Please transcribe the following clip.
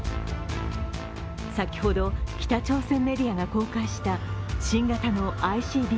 先ほど北朝鮮メディアが公開した新型のＩＣＢＭ